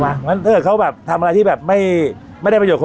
มางั้นเมื่อเขาแบบทำอะไรที่แบบไม่ไม่ได้ประโยชน์